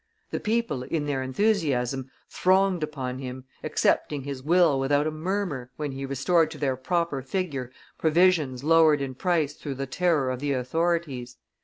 The people, in their enthusiasm, thronged upon him, accepting his will without a murmur when he restored to their proper figure provisions lowered in price through the terror of the authorities.